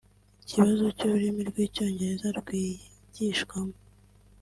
ikibazo cy’ururimi rw’icyongereza rwigishwamo